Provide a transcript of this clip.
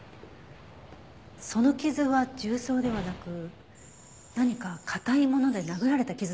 その傷は銃創ではなく何か硬いもので殴られた傷だったはずですが。